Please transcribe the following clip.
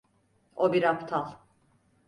O bir aptal.